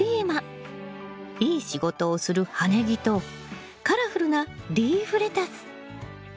いい仕事をする葉ネギとカラフルなリーフレタス。